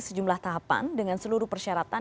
sejumlah tahapan dengan seluruh persyaratan